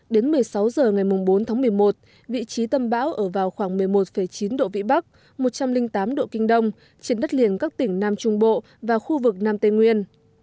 đến một mươi sáu h ngày bốn tháng một mươi một vị trí tâm bão ở vào khoảng một mươi một chín độ vĩ bắc một trăm linh tám độ kinh đông trên đất liền các tỉnh nam trung bộ và khu vực nam tây nguyên